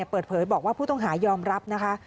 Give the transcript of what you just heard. เปิดเผยบอกว่าผู้ต้องหายอมรับนะคะ